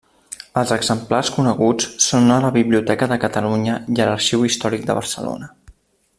Els exemplars coneguts són a la Biblioteca de Catalunya i a l'Arxiu Històric de Barcelona.